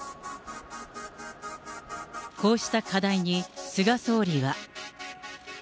こうした課題に菅総理は。